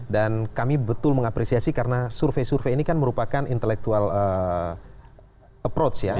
dan kami betul mengapresiasi karena survei survei ini kan merupakan intellectual approach ya